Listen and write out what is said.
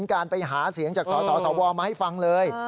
การไปหาเสียงจากสสวมาให้ฟังเลย